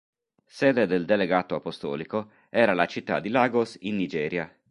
Sede del delegato apostolico era la città di Lagos in Nigeria.